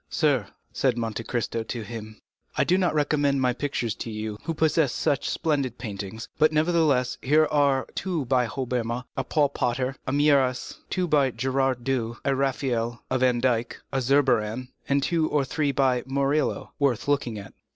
"Sir," said Monte Cristo to him, "I do not recommend my pictures to you, who possess such splendid paintings; but, nevertheless, here are two by Hobbema, a Paul Potter, a Mieris, two by Gerard Douw, a Raphael, a Van Dyck, a Zurbaran, and two or three by Murillo, worth looking at."